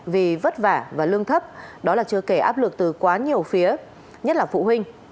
vì vất vả và lương thấp đó là chưa kể áp lực từ quá nhiều phía nhất là phụ huynh